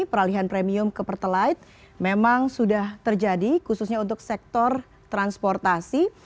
peralihan premium ke pertalite memang sudah terjadi khususnya untuk sektor transportasi